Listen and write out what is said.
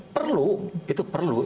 perlu itu perlu